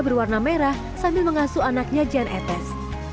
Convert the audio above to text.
berwarna merah sambil mengasuh anaknya jan etes